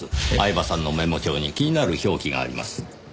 饗庭さんのメモ帳に気になる表記があります。